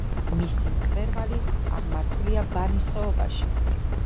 მისი მწვერვალი აღმართულია ბანის ხეობაში.